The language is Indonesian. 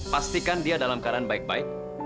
pastikan dia dalam keadaan baik baik